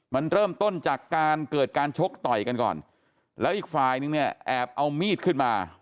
มันเริ่มต้นจากการเกิดการชกต่อยกันก่อนแล้วอีกฝ่ายนึงเนี่ยแอบเอามีดขึ้นมา